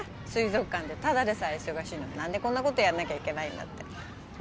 水族館でただでさえ忙しいのに何でこんなことやんなきゃいけないんだって。